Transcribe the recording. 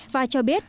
và cho biết